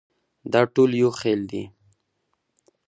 دا ټول یو خېل دي.